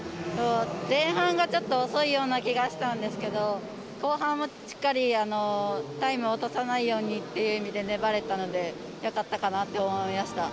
前半が、ちょっと遅いような気がしたんですけど後半は、しっかりタイムを落とさないように粘れたのでよかったかなと思いました。